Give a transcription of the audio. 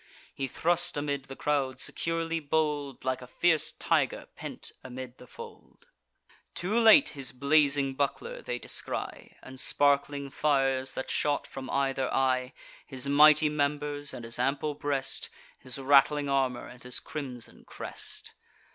He thrust amid the crowd, securely bold, Like a fierce tiger pent amid the fold. Too late his blazing buckler they descry, And sparkling fires that shot from either eye, His mighty members, and his ample breast, His rattling armour, and his crimson crest.